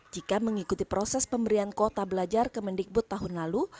jika mengikuti proses pemberian kuota belajar ke mendikbud tahun lalu